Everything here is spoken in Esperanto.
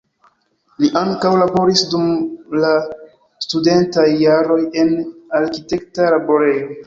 Li ankaŭ laboris dum la studentaj jaroj en arkitekta laborejo.